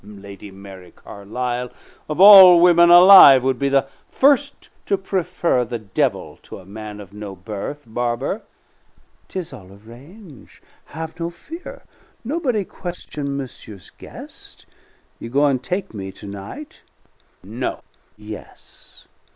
"Lady Mary Carlisle, of all women alive, would be the first to prefer the devil to a man of no birth, barber." "'Tis all arrange'; have no fear; nobody question monsieur's You goin' take me to night " "No!" "Yes.